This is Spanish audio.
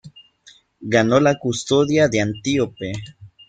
Ganó la custodia de Antíope.